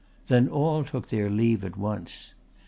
Then all took their leave at once.